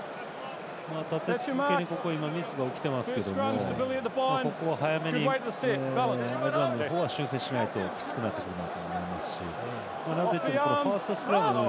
立て続けにミスが起きていますけどここは早めにアイルランドの方は修正しないときつくなってくるかと思いますしなんといってもファーストスクラム